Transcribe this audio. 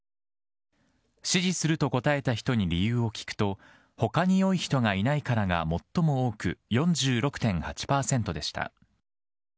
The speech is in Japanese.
支持すると答えた人に理由を聞くと、ほかによい人がいないからが最も多く４６．８％でした。